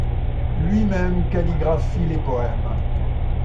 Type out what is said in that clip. Lui-même calligraphie les poèmes.